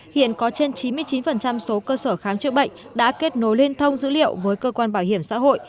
hiện có trên chín mươi chín số cơ sở khám chữa bệnh đã kết nối liên thông dữ liệu với cơ quan bảo hiểm xã hội